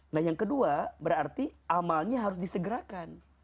nah yang kedua berarti amalnya harus disegerakan